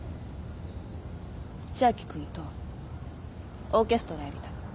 千秋君とオーケストラやりたい。